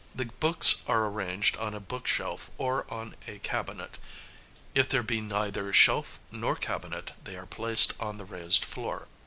The books are arranged on a book shelf or on a cabinet; if there be neither shelf nor cabinet, they are placed on the raised floor.